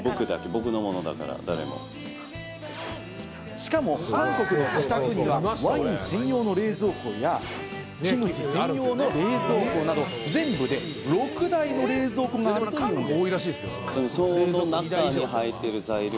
しかも韓国の自宅にはワイン専用の冷蔵庫やキムチ専用の冷蔵庫など、全部で６台の冷蔵庫があるというんです。